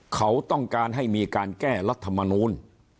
เขาต้องการให้มีการแก้รัฐมนูล